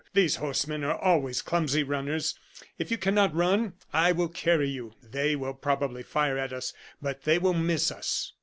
These horsemen are always clumsy runners. If you cannot run, I will carry you. They will probably fire at us, but they will miss us."